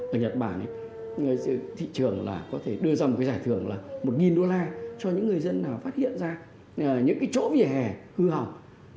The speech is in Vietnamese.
ở nhật bản thị trường có thể đưa ra một giải thưởng là một đô la cho những người dân phát hiện ra những chỗ vỉa hè hư hỏng